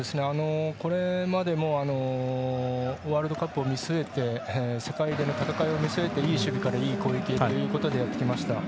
これまでもワールドカップを見据えて世界での戦いを見据えていい守備からいい攻撃へということでやってきました。